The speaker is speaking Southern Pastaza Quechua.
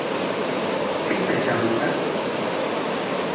¿Pita shamushka?